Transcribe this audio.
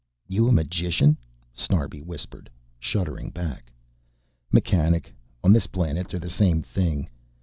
"You a magician?" Snarbi whispered, shuddering back. "Mechanic. On this planet they're the same thing."